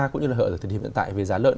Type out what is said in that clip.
cũng như là hợp giải thích hiện tại về giá lợn